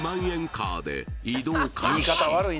カーで移動開始